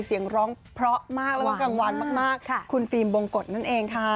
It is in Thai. เสียงร้องเพราะมากแล้วก็กลางวันมากคุณฟิล์มบงกฎนั่นเองค่ะ